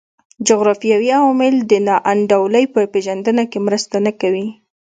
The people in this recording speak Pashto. جغرافیوي عوامل د نا انډولۍ په پېژندنه کې مرسته نه کوي.